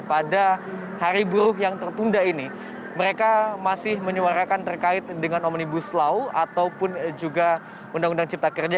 pada hari buruk yang tertunda ini mereka masih menyuarakan terkait dengan omnibus law ataupun juga undang undang cipta kerja